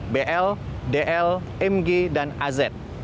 bl dl mg dan az